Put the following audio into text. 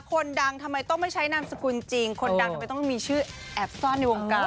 คนดังทำไมต้องไม่ใช้นามสกุลจริงคนดังทำไมต้องมีชื่อแอบซ่อนในวงการ